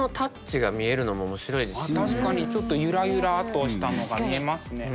あ確かにちょっとゆらゆらとしたのが見えますね。